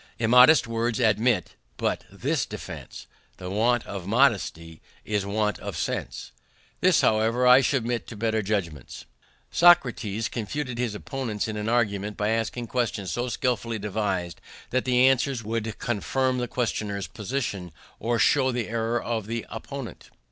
"Immodest words admit but this defense, That want of modesty is want of sense." This, however, I should submit to better judgments. Socrates confuted his opponents in argument by asking questions so skillfully devised that the answers would confirm the questioner's position or show the error of the opponent.